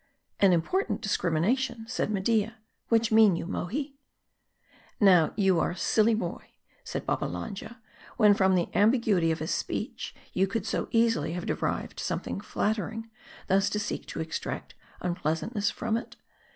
" An important discrimination," said Media ;" which mean you, Mohi ?"" Now, are you not a silly boy," said Babbalanja, " when from the ambiguity of his speech, you could so easily have 360 M A R D I. derived something flattering, thus to seek to extract unpleas antness from it